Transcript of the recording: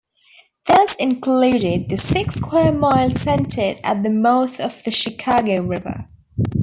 This included the six square miles centered at the mouth of the Chicago River.